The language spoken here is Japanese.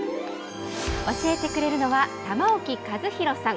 教えてくれるのは、玉置一裕さん。